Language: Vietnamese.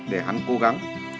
để hắn cố gắng